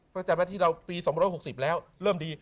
ประจำที่เราปี๒๖๐แล้วเริ่มดี